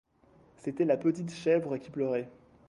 C'était la petite chèvre qui pleurait.